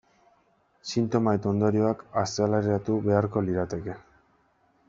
Sintoma eta ondorioak azaleratu beharko lirateke.